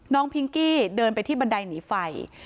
พิงกี้เดินไปที่บันไดหนีไฟ